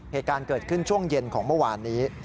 เหตุการณ์เกิดขึ้นช่วงเย็นของเมื่อวานนี้